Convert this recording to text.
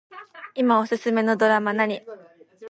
いまおすすめのドラマ何